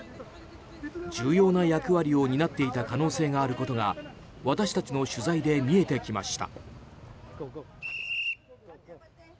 重要な役割を担っていた可能性があることが私たちの取材で見えてきました。